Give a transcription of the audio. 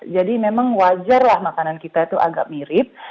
jadi memang wajarlah makanan kita itu agak mirip